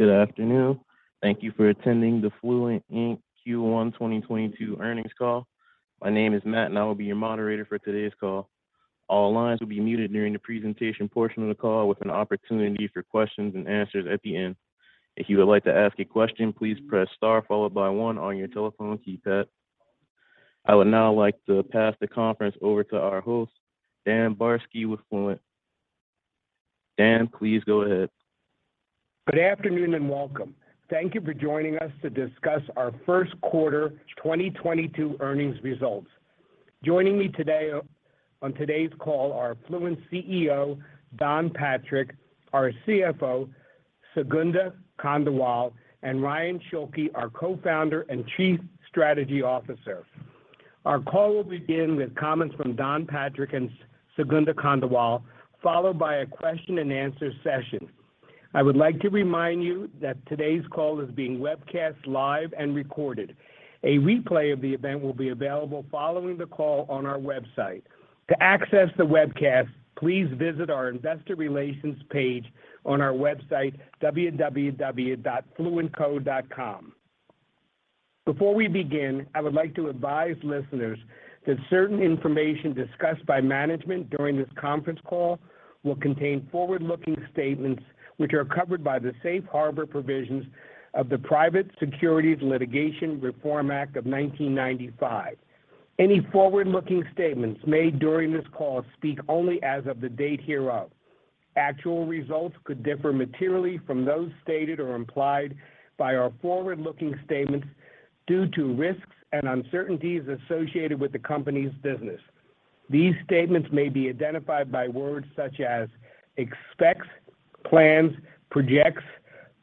Good afternoon. Thank you for attending the Fluent, Inc. Q1 2022 Earnings Call. My name is Matt, and I will be your moderator for today's call. All lines will be muted during the presentation portion of the call with an opportunity for questions and answers at the end. If you would like to ask a question, please press star followed by one on your telephone keypad. I would now like to pass the conference over to our host, Dan Barsky with Fluent. Dan, please go ahead. Good afternoon and welcome. Thank you for joining us to discuss our first quarter 2022 earnings results. Joining me today, on today's call are Fluent CEO, Don Patrick, our CFO, Sugandha Khandelwal, and Ryan Schulke, our co-founder and chief strategy officer. Our call will begin with comments from Don Patrick and Sugandha Khandelwal, followed by a question and answer session. I would like to remind you that today's call is being webcast live and recorded. A replay of the event will be available following the call on our website. To access the webcast, please visit our investor relations page on our website, www.fluentco.com. Before we begin, I would like to advise listeners that certain information discussed by management during this conference call will contain forward-looking statements which are covered by the Safe Harbor provisions of the Private Securities Litigation Reform Act of 1995. Any forward-looking statements made during this call speak only as of the date hereof. Actual results could differ materially from those stated or implied by our forward-looking statements due to risks and uncertainties associated with the company's business. These statements may be identified by words such as expects, plans, projects,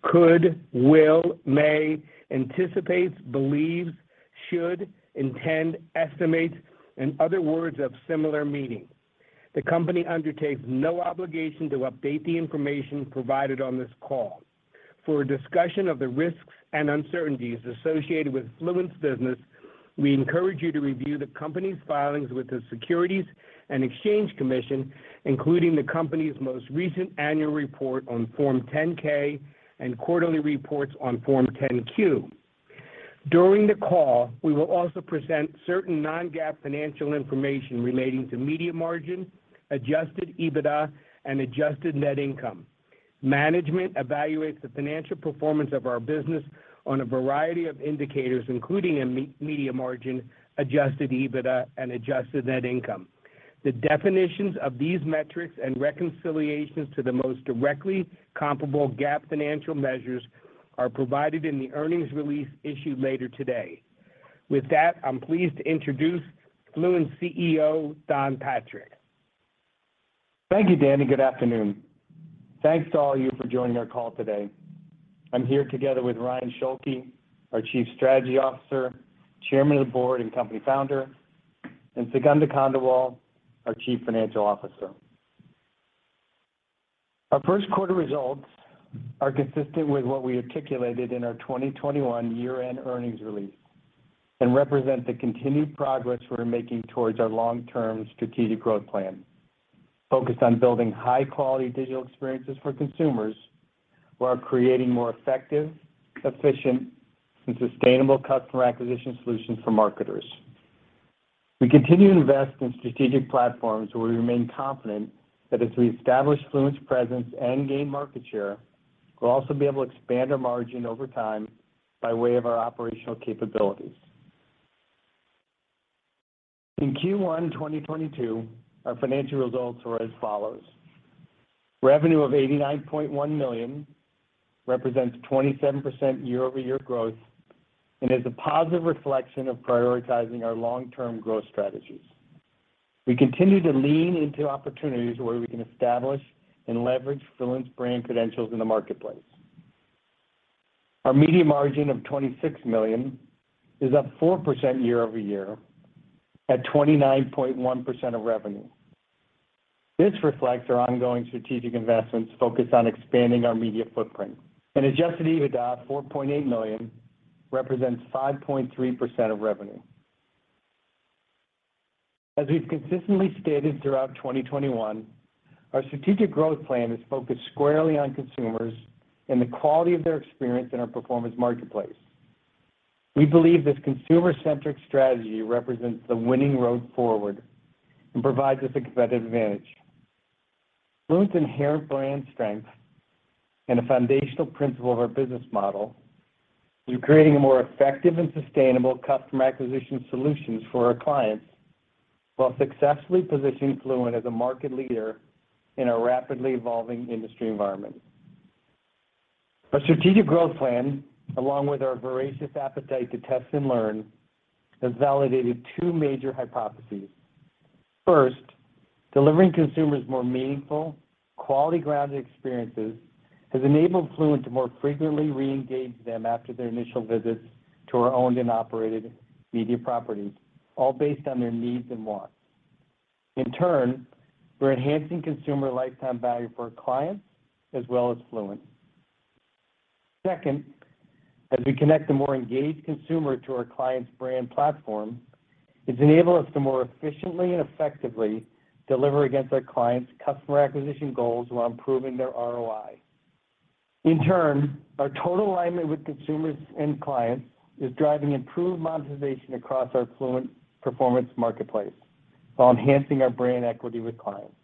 could, will, may, anticipates, believes, should, intend, estimates and other words of similar meaning. The company undertakes no obligation to update the information provided on this call. For a discussion of the risks and uncertainties associated with Fluent's business, we encourage you to review the company's filings with the Securities and Exchange Commission, including the company's most recent annual report on Form 10-K and quarterly reports on Form 10-Q. During the call, we will also present certain non-GAAP financial information relating to media margin, adjusted EBITDA, and adjusted net income. Management evaluates the financial performance of our business on a variety of indicators, including media margin, adjusted EBITDA, and adjusted net income. The definitions of these metrics and reconciliations to the most directly comparable GAAP financial measures are provided in the earnings release issued later today. With that, I'm pleased to introduce Fluent CEO Don Patrick. Thank you, Dan, and good afternoon. Thanks to all of you for joining our call today. I'm here together with Ryan Schulke, our Chief Strategy Officer, Chairman of the Board and Company Founder, and Sugandha Khandelwal, our Chief Financial Officer. Our first quarter results are consistent with what we articulated in our 2021 year-end earnings release, and represent the continued progress we're making towards our long-term strategic growth plan, focused on building high-quality digital experiences for consumers while creating more effective, efficient, and sustainable customer acquisition solutions for marketers. We continue to invest in strategic platforms where we remain confident that as we establish Fluent's presence and gain market share, we'll also be able to expand our margin over time by way of our operational capabilities. In Q1 2022, our financial results were as follows: Revenue of $89.1 million represents 27% year-over-year growth and is a positive reflection of prioritizing our long-term growth strategies. We continue to lean into opportunities where we can establish and leverage Fluent's brand credentials in the marketplace. Our media margin of $26 million is up 4% year-over-year at 29.1% of revenue. This reflects our ongoing strategic investments focused on expanding our media footprint. Adjusted EBITDA of $4.8 million represents 5.3% of revenue. As we've consistently stated throughout 2021, our strategic growth plan is focused squarely on consumers and the quality of their experience in our performance marketplace. We believe this consumer-centric strategy represents the winning road forward and provides us a competitive advantage. Fluent's inherent brand strength and a foundational principle of our business model through creating a more effective and sustainable customer acquisition solutions for our clients while successfully positioning Fluent as a market leader in a rapidly evolving industry environment. Our strategic growth plan, along with our voracious appetite to test and learn, has validated two major hypotheses. First, delivering consumers more meaningful, quality-grounded experiences has enabled Fluent to more frequently re-engage them after their initial visits to our owned and operated media properties, all based on their needs and wants. In turn, we're enhancing consumer lifetime value for our clients as well as Fluent. Second, as we connect the more engaged consumer to our client's brand platform, it's enabled us to more efficiently and effectively deliver against our clients' customer acquisition goals while improving their ROI. In turn, our total alignment with consumers and clients is driving improved monetization across our Fluent performance marketplace while enhancing our brand equity with clients.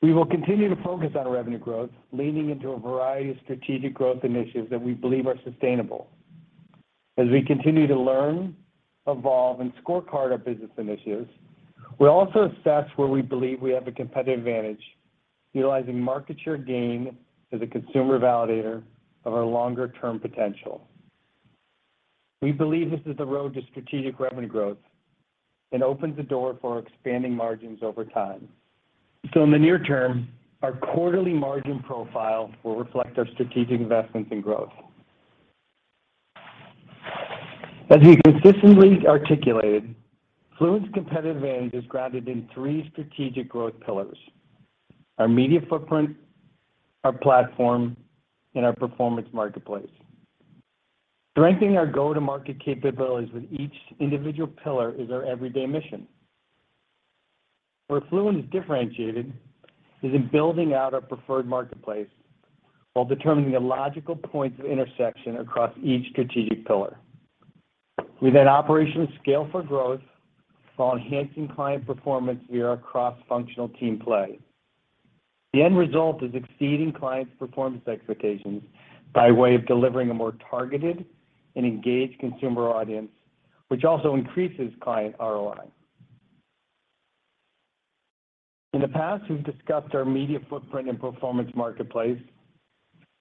We will continue to focus on revenue growth, leaning into a variety of strategic growth initiatives that we believe are sustainable. As we continue to learn, evolve, and scorecard our business initiatives, we also assess where we believe we have a competitive advantage, utilizing market share gain as a consumer validator of our longer-term potential. We believe this is the road to strategic revenue growth and opens the door for expanding margins over time. In the near term, our quarterly margin profile will reflect our strategic investments in growth. As we consistently articulated, Fluent's competitive advantage is grounded in three strategic growth pillars, our media footprint, our platform, and our performance marketplace. Strengthening our go-to-market capabilities with each individual pillar is our everyday mission. Where Fluent is differentiated is in building out our preferred marketplace while determining the logical points of intersection across each strategic pillar. We then operational scale for growth while enhancing client performance via our cross-functional team play. The end result is exceeding clients' performance expectations by way of delivering a more targeted and engaged consumer audience, which also increases client ROI. In the past, we've discussed our media footprint and performance marketplace.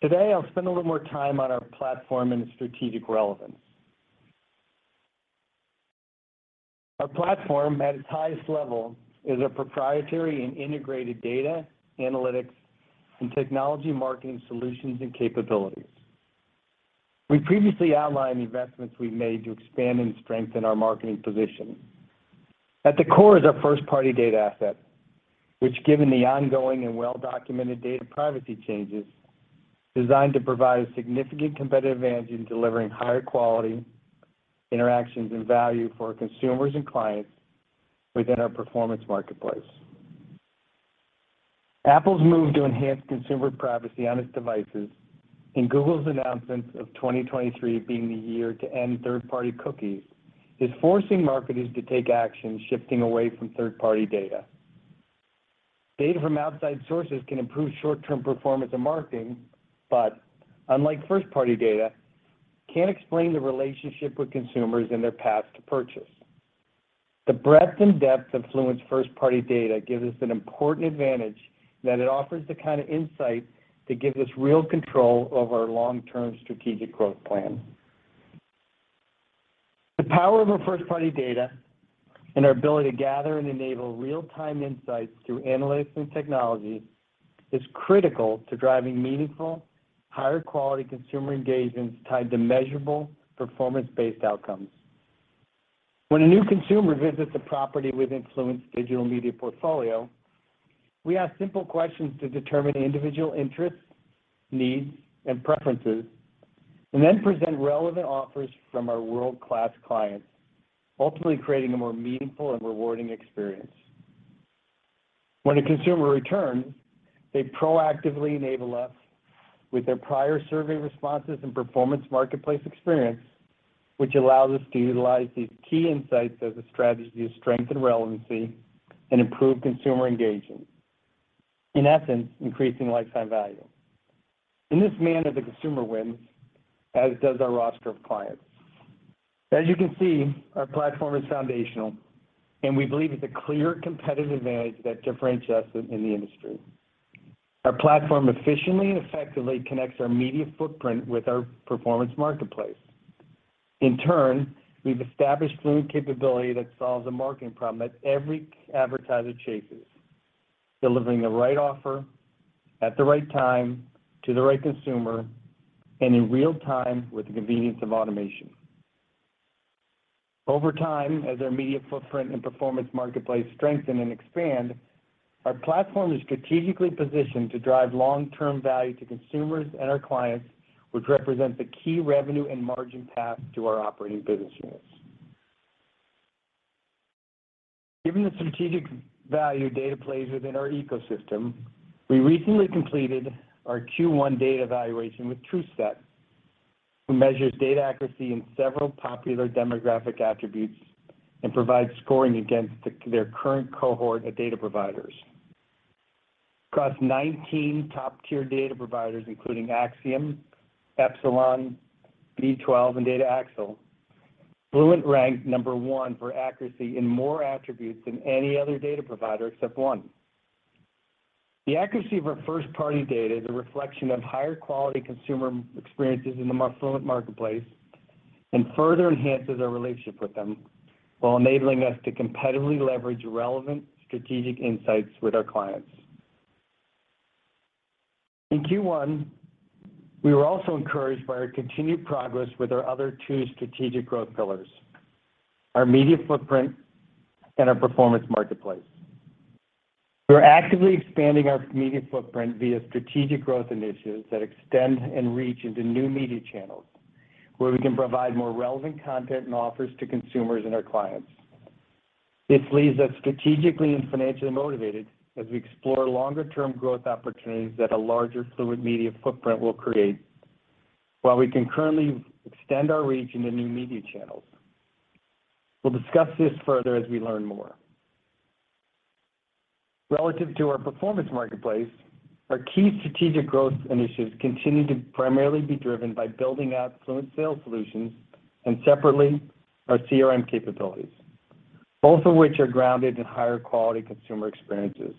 Today, I'll spend a little more time on our platform and its strategic relevance. Our platform, at its highest level, is a proprietary and integrated data, analytics, and technology marketing solutions and capabilities. We previously outlined the investments we've made to expand and strengthen our marketing position. At the core is our first-party data asset, which given the ongoing and well-documented data privacy changes, designed to provide a significant competitive advantage in delivering higher quality interactions and value for our consumers and clients within our performance marketplace. Apple's move to enhance consumer privacy on its devices and Google's announcement of 2023 being the year to end third-party cookies is forcing marketers to take action shifting away from third-party data. Data from outside sources can improve short-term performance and marketing, but unlike first-party data, can't explain the relationship with consumers and their path to purchase. The breadth and depth of Fluent's first-party data gives us an important advantage that it offers the kind of insight that gives us real control over our long-term strategic growth plan. The power of our first-party data and our ability to gather and enable real-time insights through analytics and technology is critical to driving meaningful, higher quality consumer engagements tied to measurable performance-based outcomes. When a new consumer visits a property within Fluent's digital media portfolio, we ask simple questions to determine individual interests, needs, and preferences, and then present relevant offers from our world-class clients, ultimately creating a more meaningful and rewarding experience. When a consumer returns, they proactively enable us with their prior survey responses and performance marketplace experience, which allows us to utilize these key insights as a strategy to strengthen relevancy and improve consumer engagement. In essence, increasing lifetime value. This means that the consumer wins, as does our roster of clients. As you can see, our platform is foundational, and we believe it's a clear competitive advantage that differentiates us in the industry. Our platform efficiently and effectively connects our media footprint with our performance marketplace. In turn, we've established Fluent capability that solves a marketing problem that every advertiser chases, delivering the right offer at the right time to the right consumer and in real time with the convenience of automation. Over time, as our media footprint and performance marketplace strengthen and expand, our platform is strategically positioned to drive long-term value to consumers and our clients, which represents a key revenue and margin path to our operating business units. Given the strategic value data plays within our ecosystem, we recently completed our Q1 data evaluation with Truthset, who measures data accuracy in several popular demographic attributes and provides scoring against their current cohort of data providers. Across 19 top-tier data providers, including Acxiom, Epsilon, V12, and Data Axle, Fluent ranked number one for accuracy in more attributes than any other data provider except one. The accuracy of our first-party data is a reflection of higher quality consumer experiences in the Fluent marketplace and further enhances our relationship with them while enabling us to competitively leverage relevant strategic insights with our clients. In Q1, we were also encouraged by our continued progress with our other two strategic growth pillars, our media footprint and our performance marketplace. We're actively expanding our media footprint via strategic growth initiatives that extend and reach into new media channels where we can provide more relevant content and offers to consumers and our clients. This leaves us strategically and financially motivated as we explore longer-term growth opportunities that a larger Fluent media footprint will create while we can currently extend our reach into new media channels. We'll discuss this further as we learn more. Relative to our performance marketplace, our key strategic growth initiatives continue to primarily be driven by building out Fluent Sales Solutions and separately our CRM capabilities, both of which are grounded in higher quality consumer experiences.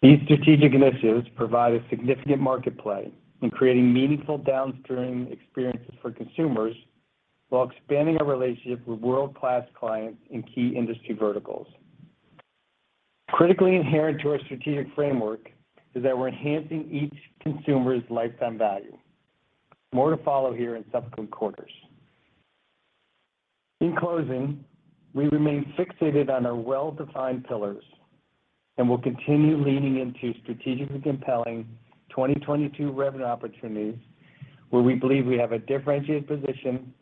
These strategic initiatives provide a significant marketplace in creating meaningful downstream experiences for consumers while expanding our relationship with world-class clients in key industry verticals. Critically inherent to our strategic framework is that we're enhancing each consumer's lifetime value. More to follow here in subsequent quarters. In closing, we remain fixated on our well-defined pillars, and we'll continue leaning into strategically compelling 2022 revenue opportunities where we believe we have a differentiated position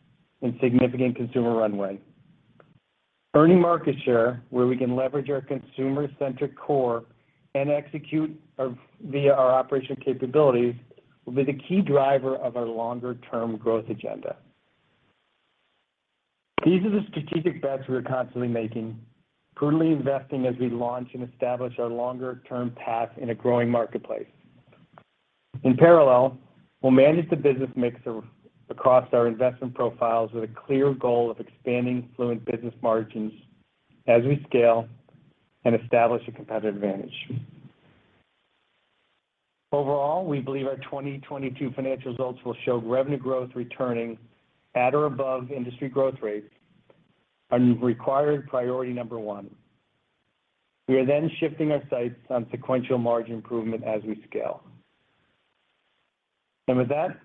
and significant consumer runway. Earning market share where we can leverage our consumer-centric core and execute via our operation capabilities will be the key driver of our longer-term growth agenda. These are the strategic bets we are constantly making, prudently investing as we launch and establish our longer-term path in a growing marketplace. In parallel, we'll manage the business mix across our investment profiles with a clear goal of expanding Fluent business margins as we scale and establish a competitive advantage. Overall, we believe our 2022 financial results will show revenue growth returning at or above industry growth rates, our required priority number one. We are then shifting our sights on sequential margin improvement as we scale. With that,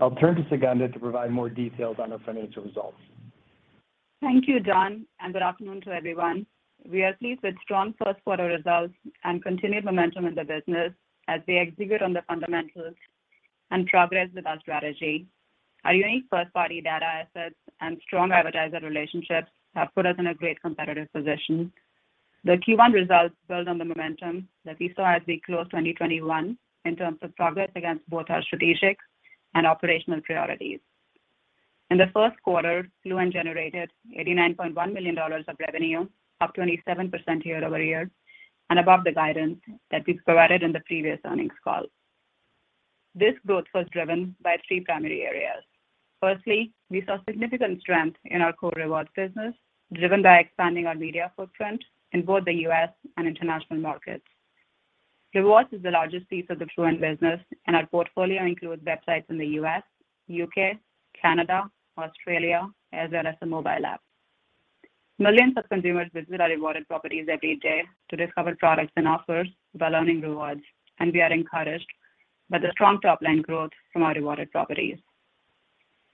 I'll turn to Sugandha to provide more details on our financial results. Thank you, Don, and good afternoon to everyone. We are pleased with strong first quarter results and continued momentum in the business as we execute on the fundamentals and progress with our strategy. Our unique first-party data assets and strong advertiser relationships have put us in a great competitive position. The Q1 results build on the momentum that we saw as we closed 2021 in terms of progress against both our strategic and operational priorities. In the first quarter, Fluent generated $89.1 million of revenue, up 27% year-over-year and above the guidance that we provided in the previous earnings call. This growth was driven by three primary areas. Firstly, we saw significant strength in our core rewards business, driven by expanding our media footprint in both the U.S. and international markets. Rewards is the largest piece of the Fluent business, and our portfolio includes websites in the U.S., U.K., Canada, Australia, as well as a mobile app. Millions of consumers visit our rewarded properties every day to discover products and offers while earning rewards, and we are encouraged by the strong top-line growth from our rewarded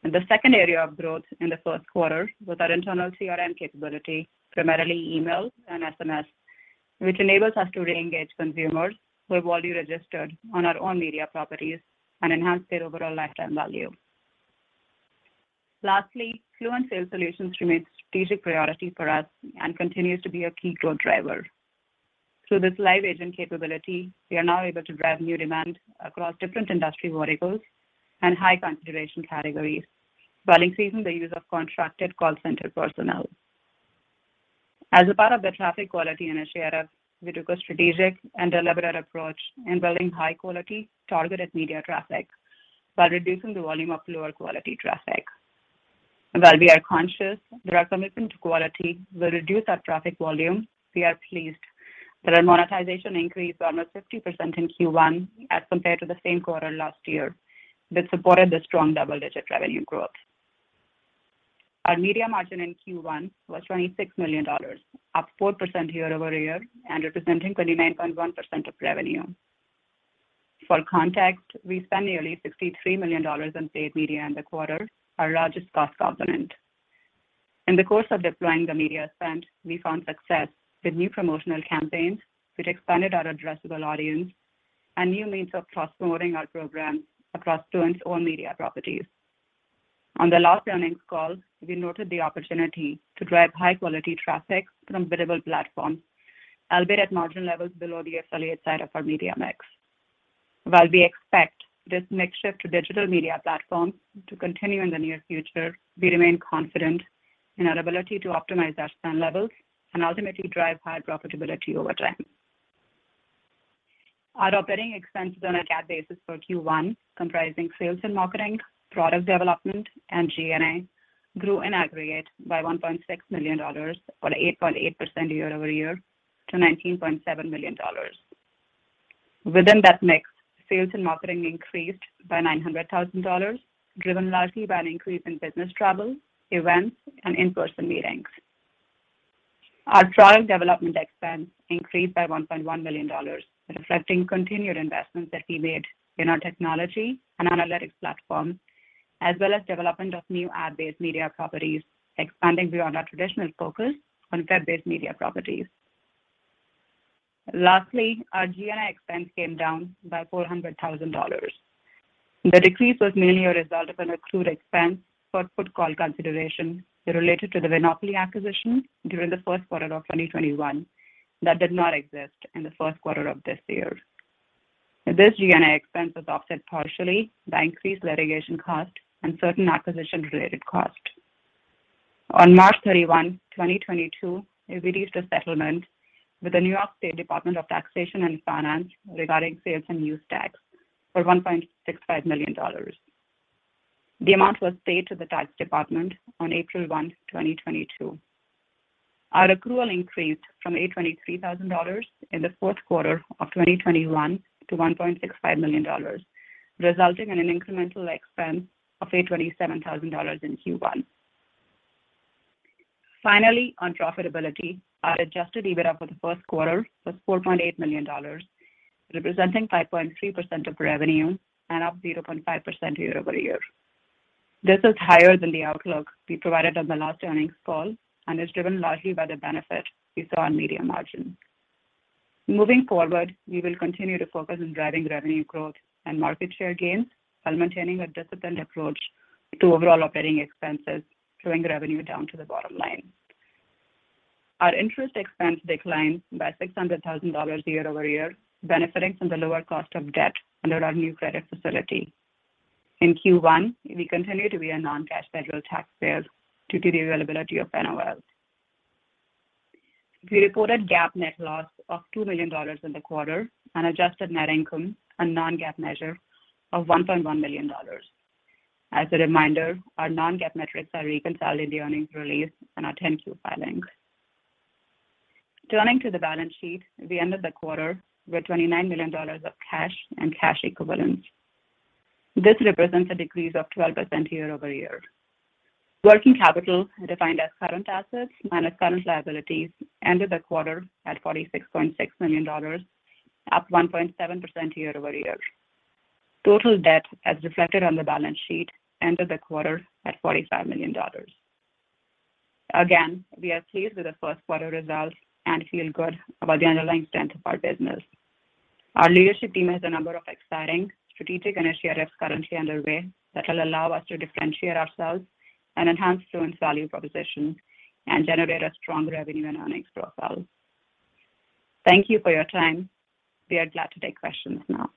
properties. The second area of growth in the first quarter was our internal CRM capability, primarily email and SMS, which enables us to re-engage consumers who have already registered on our own media properties and enhance their overall lifetime value. Lastly, Fluent Sales Solutions remains a strategic priority for us and continues to be a key growth driver. Through this live agent capability, we are now able to drive new demand across different industry verticals and high consideration categories while increasing the use of contracted call center personnel. As a part of the traffic quality initiative, we took a strategic and deliberate approach in building high-quality targeted media traffic while reducing the volume of lower quality traffic. While we are conscious that our commitment to quality will reduce our traffic volume, we are pleased that our monetization increased by almost 50% in Q1 as compared to the same quarter last year that supported the strong double-digit revenue growth. Our media margin in Q1 was $26 million, up 4% year-over-year and representing 29.1% of revenue. For context, we spent nearly $63 million in paid media in the quarter, our largest cost component. In the course of deploying the media spend, we found success with new promotional campaigns which expanded our addressable audience and new means of cross-promoting our programs across Fluent's own media properties. On the last earnings call, we noted the opportunity to drive high-quality traffic from biddable platforms, albeit at margin levels below the affiliate side of our media mix. While we expect this mix shift to digital media platforms to continue in the near future, we remain confident in our ability to optimize our spend levels and ultimately drive higher profitability over time. Our operating expenses on a GAAP basis for Q1, comprising sales and marketing, product development, and G&A, grew in aggregate by $1.6 million or 8.8% year-over-year to $19.7 million. Within that mix, sales and marketing increased by $900,000, driven largely by an increase in business travel, events, and in-person meetings. Our product development expense increased by $1.1 million, reflecting continued investments that we made in our technology and analytics platform. As well as development of new ad-based media properties, expanding beyond our traditional focus on web-based media properties. Lastly, our G&A expense came down by $400,000. The decrease was mainly a result of an accrued expense for put call consideration related to the Winopoly acquisition during the first quarter of 2021 that did not exist in the first quarter of this year. This G&A expense was offset partially by increased litigation costs and certain acquisition-related costs. On March 31, 2022, we released a settlement with the New York State Department of Taxation and Finance regarding sales and use tax for $1.65 million. The amount was paid to the tax department on April 1, 2022. Our accrual increased from $823,000 in the fourth quarter of 2021 to $1.65 million, resulting in an incremental expense of $827,000 in Q1. Finally, on profitability, our adjusted EBITDA for the first quarter was $4.8 million, representing 5.3% of revenue and up 0.5% year-over-year. This is higher than the outlook we provided on the last earnings call and is driven largely by the benefit we saw on media margins. Moving forward, we will continue to focus on driving revenue growth and market share gains while maintaining a disciplined approach to overall operating expenses, growing revenue down to the bottom line. Our interest expense declined by $600,000 year-over-year, benefiting from the lower cost of debt under our new credit facility. In Q1, we continue to be a non-cash federal tax payer due to the availability of NOLs. We recorded GAAP net loss of $2 million in the quarter and adjusted net income, a non-GAAP measure, of $1.1 million. As a reminder, our non-GAAP metrics are reconciled in the earnings release in our 10-Q filing. Turning to the balance sheet, we ended the quarter with $29 million of cash and cash equivalents. This represents a decrease of 12% year-over-year. Working capital, defined as current assets minus current liabilities, ended the quarter at $46.6 million, up 1.7% year-over-year. Total debt, as reflected on the balance sheet, ended the quarter at $45 million. We are pleased with the first quarter results and feel good about the underlying strength of our business. Our leadership team has a number of exciting strategic initiatives currently underway that will allow us to differentiate ourselves and enhance Fluent's value proposition and generate a strong revenue and earnings profile. Thank you for your time. We are glad to take questions now.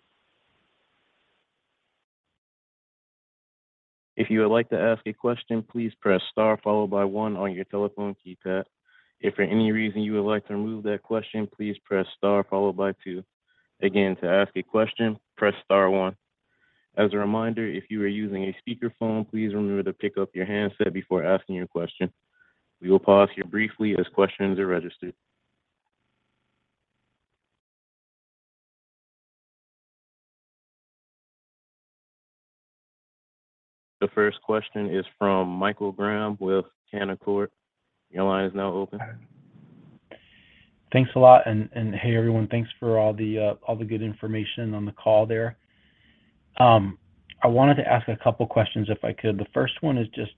If you would like to ask a question, please press star followed by one on your telephone keypad. If for any reason you would like to remove that question, please press star followed by two. Again, to ask a question, press star one. As a reminder, if you are using a speakerphone, please remember to pick up your handset before asking your question. We will pause here briefly as questions are registered. The first question is from Michael Graham with Canaccord Genuity. Your line is now open. Thanks a lot. Hey, everyone. Thanks for all the good information on the call there. I wanted to ask a couple questions if I could. The first one is just,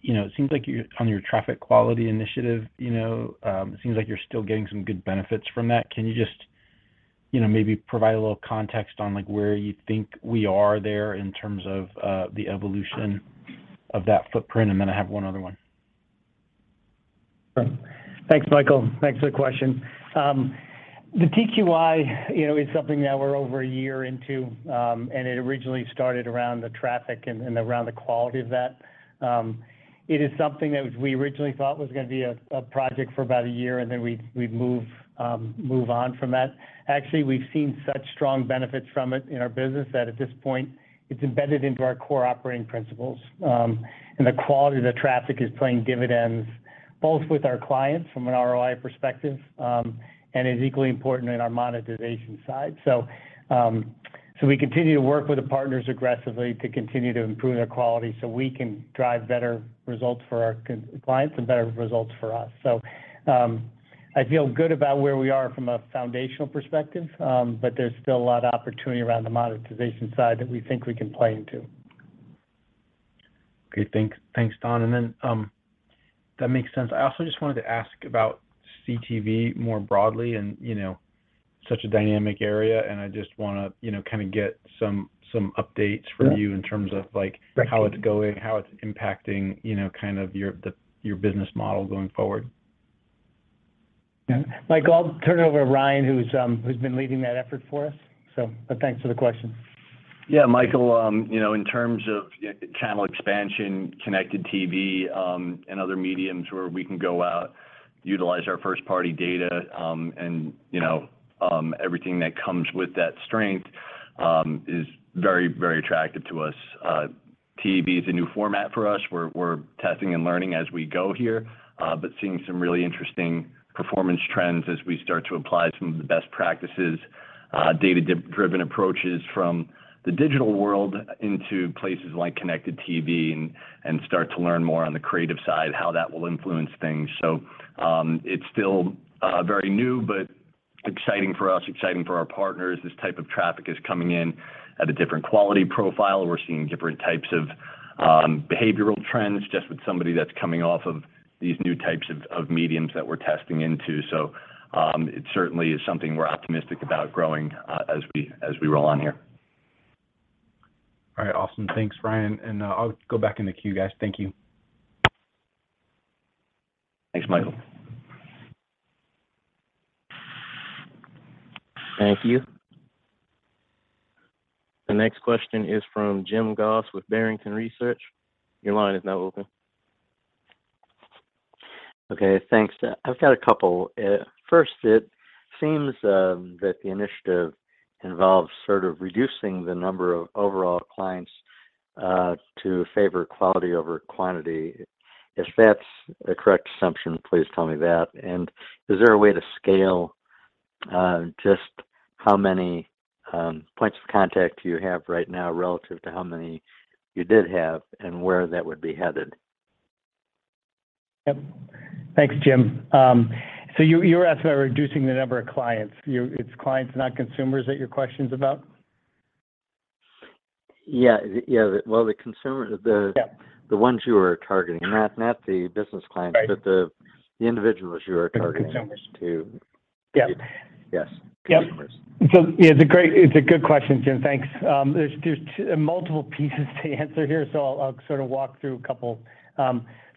you know, it seems like you're on your traffic quality initiative, you know, it seems like you're still getting some good benefits from that. Can you just, you know, maybe provide a little context on, like, where you think we are there in terms of the evolution of that footprint? And then I have one other one. Sure. Thanks, Michael. Thanks for the question. The TQI, you know, is something that we're over a year into, and it originally started around the traffic and around the quality of that. It is something that we originally thought was gonna be a project for about a year, and then we'd move on from that. Actually, we've seen such strong benefits from it in our business that at this point it's embedded into our core operating principles. The quality of the traffic is paying dividends both with our clients from an ROI perspective, and is equally important in our monetization side. So we continue to work with the partners aggressively to continue to improve their quality so we can drive better results for our clients and better results for us. I feel good about where we are from a foundational perspective, but there's still a lot of opportunity around the monetization side that we think we can play into. Okay. Thanks, Don. That makes sense. I also just wanted to ask about CTV more broadly and, you know, such a dynamic area, and I just wanna, you know, kinda get some updates from you. Yeah. In terms of, like, how it's going, how it's impacting, you know, kind of your business model going forward. Yeah. Michael, I'll turn it over to Ryan, who's been leading that effort for us. Thanks for the question. Yeah. Michael, you know, in terms of channel expansion, connected TV, and other media where we can go out, utilize our first-party data, and, you know, everything that comes with that strength, is very, very attractive to us. TV is a new format for us. We're testing and learning as we go here, but seeing some really interesting performance trends as we start to apply some of the best practices, data-driven approaches from the digital world into places like connected TV and start to learn more on the creative side how that will influence things. It's still very new but Exciting for us, exciting for our partners. This type of traffic is coming in at a different quality profile. We're seeing different types of behavioral trends just with somebody that's coming off of these new types of mediums that we're testing into. It certainly is something we're optimistic about growing as we roll on here. All right. Awesome. Thanks, Ryan. I'll go back in the queue, guys. Thank you. Thanks, Michael. Thank you. The next question is from Jim Goss with Barrington Research. Your line is now open. Okay, thanks. I've got a couple. First, it seems that the initiative involves sort of reducing the number of overall clients to favor quality over quantity. If that's a correct assumption, please tell me that. Is there a way to scale just how many points of contact you have right now relative to how many you did have and where that would be headed? Yep. Thanks, Jim. So you're asking about reducing the number of clients. It's clients, not consumers that your question's about? Yeah. Yeah. Well, the consumer. Yep. The ones you are targeting. Not the business clients. Right the individuals you are targeting. The consumers... to- Yep. Yes. Yep. Consumers. It's a good question, Jim. Thanks. There's multiple pieces to answer here, so I'll sort of walk through a couple.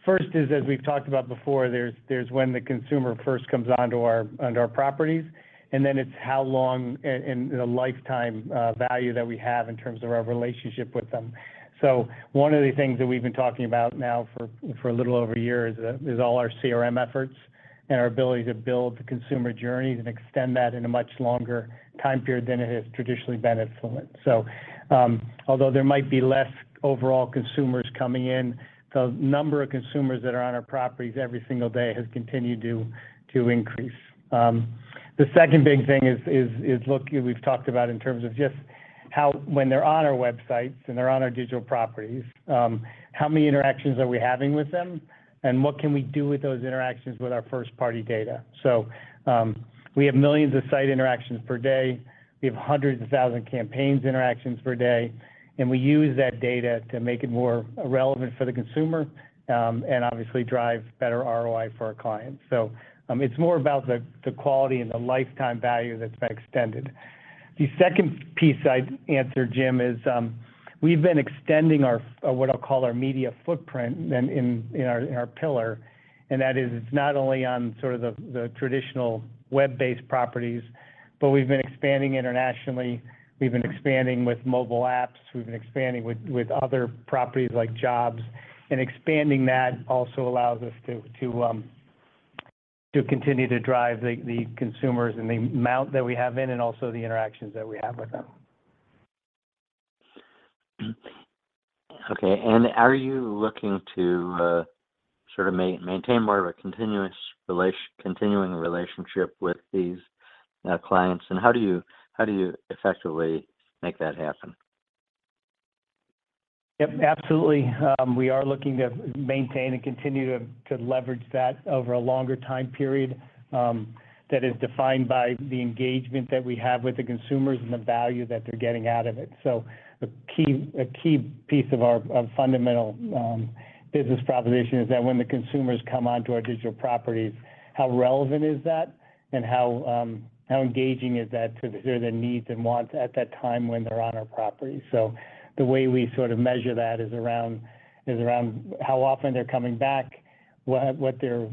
First is, as we've talked about before, there's when the consumer first comes onto our properties, and then it's how long and the lifetime value that we have in terms of our relationship with them. One of the things that we've been talking about now for a little over a year is all our CRM efforts and our ability to build the consumer journey and extend that in a much longer time period than it has traditionally been at Fluent. Although there might be less overall consumers coming in, the number of consumers that are on our properties every single day has continued to increase. The second big thing is, look, we've talked about in terms of just how when they're on our websites and they're on our digital properties, how many interactions are we having with them, and what can we do with those interactions with our first-party data. We have millions of site interactions per day, we have hundreds of thousands of campaign interactions per day, and we use that data to make it more relevant for the consumer, and obviously drive better ROI for our clients. It's more about the quality and the lifetime value that's been extended. The second piece I'd answer, Jim, is we've been extending our, what I'll call our media footprint in our pillar, and that is it's not only on sort of the traditional web-based properties, but we've been expanding internationally, we've been expanding with mobile apps, we've been expanding with other properties like jobs. Expanding that also allows us to continue to drive the consumers and the amount that we have in and also the interactions that we have with them. Okay. Are you looking to sort of maintain more of a continuous continuing relationship with these clients? How do you effectively make that happen? Yep, absolutely. We are looking to maintain and continue to leverage that over a longer time period that is defined by the engagement that we have with the consumers and the value that they're getting out of it. A key piece of our fundamental business proposition is that when the consumers come onto our digital properties, how relevant is that and how engaging is that to their needs and wants at that time when they're on our property? The way we sort of measure that is around how often they're coming back, what their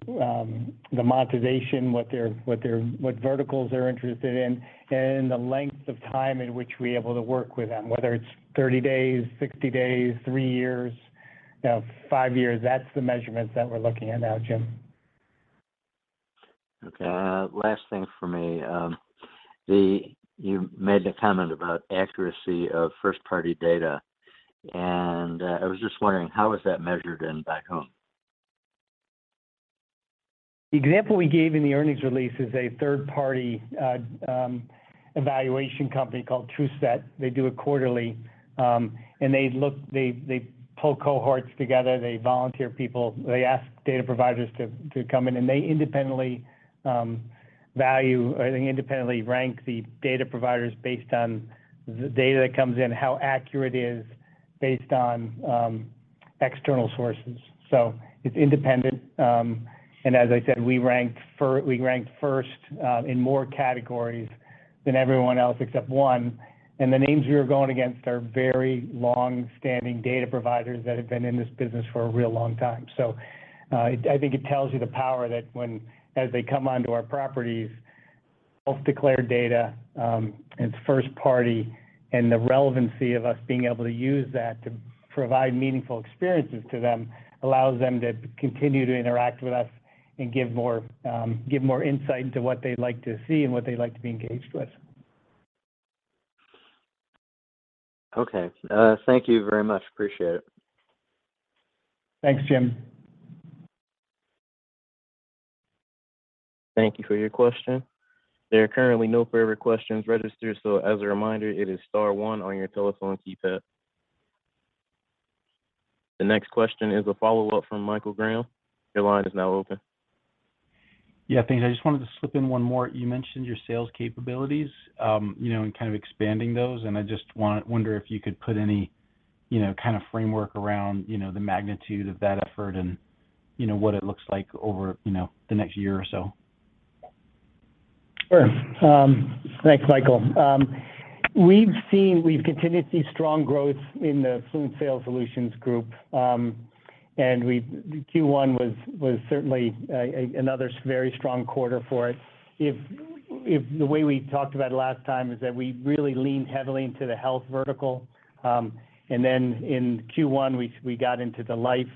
monetization, what their verticals they're interested in, and the length of time in which we're able to work with them, whether it's 30 days, 60 days, 3 years, you know, 5 years, that's the measurements that we're looking at now, Jim. Okay. Last thing for me. You made the comment about accuracy of first-party data. I was just wondering how is that measured in back home? The example we gave in the earnings release is a third-party evaluation company called Truthset. They do it quarterly. They pull cohorts together, they volunteer people, they ask data providers to come in, and they independently rank the data providers based on the data that comes in, how accurate it is based on external sources. It's independent. As I said, we ranked first in more categories than everyone else except one. The names we are going against are very long-standing data providers that have been in this business for a real long time. I think it tells you the power that when as they come onto our properties, self-declared data and first-party and the relevancy of us being able to use that to provide meaningful experiences to them allows them to continue to interact with us and give more insight into what they'd like to see and what they'd like to be engaged with. Okay. Thank you very much. Appreciate it. Thanks, Jim. Thank you for your question. There are currently no further questions registered, so as a reminder, it is star one on your telephone keypad. The next question is a follow-up from Michael Graham. Your line is now open. Yeah, thanks. I just wanted to slip in one more. You mentioned your sales capabilities, you know, and kind of expanding those, and I just wonder if you could put any, you know, kind of framework around, you know, the magnitude of that effort and, you know, what it looks like over, you know, the next year or so. Sure. Thanks, Michael. We've continued to see strong growth in the Fluent Sales Solutions group. Q1 was certainly another very strong quarter for it. If the way we talked about it last time is that we really leaned heavily into the health vertical. In Q1, we got into the life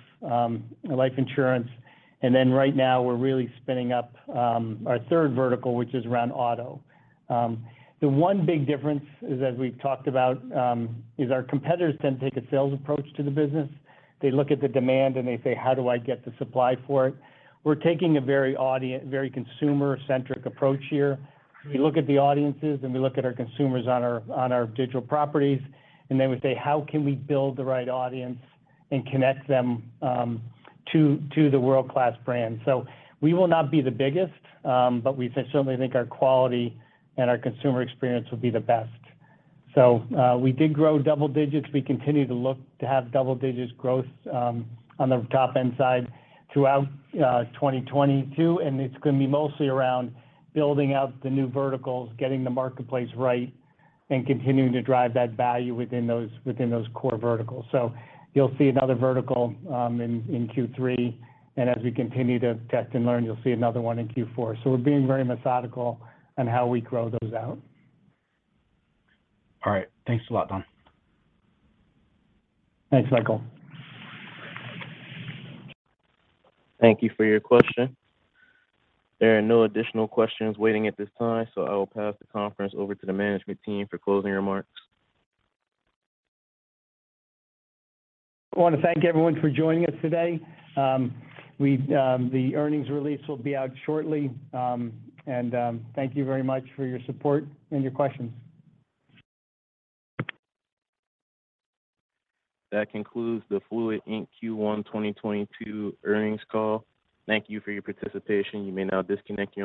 insurance. Right now we're really spinning up our third vertical, which is around auto. The one big difference is, as we've talked about, our competitors tend to take a sales approach to the business. They look at the demand, and they say, "How do I get the supply for it?" We're taking a very consumer-centric approach here. We look at the audiences, and we look at our consumers on our digital properties. We say, "How can we build the right audience and connect them to the world-class brands?" We will not be the biggest, but we certainly think our quality and our consumer experience will be the best. We did grow double digits. We continue to look to have double digits growth on the top end side throughout 2022, and it's gonna be mostly around building out the new verticals, getting the marketplace right, and continuing to drive that value within those core verticals. You'll see another vertical in Q3, and as we continue to test and learn, you'll see another one in Q4. We're being very methodical on how we grow those out. All right. Thanks a lot, Don. Thanks, Michael. Thank you for your question. There are no additional questions waiting at this time, so I will pass the conference over to the management team for closing remarks. I wanna thank everyone for joining us today. The earnings release will be out shortly. Thank you very much for your support and your questions. That concludes the Fluent, Inc. Q1 2022 earnings call. Thank you for your participation. You may now disconnect your